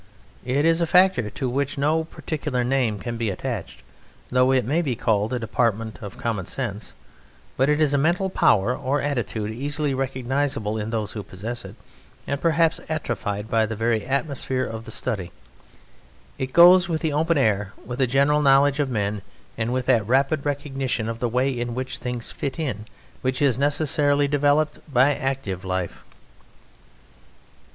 It is a factor to which no particular name can be attached, though it may be called a department of common sense. But it is a mental power or attitude easily recognizable in those who possess it, and perhaps atrophied by the very atmosphere of the study. It goes with the open air with a general knowledge of men and with that rapid recognition of the way in which things "fit in" which is necessarily developed by active life.